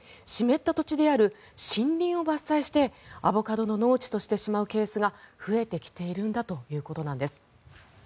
湿った土地である森林を伐採してアボカドの農地としてしまうケースが増えてきているんだということなんです。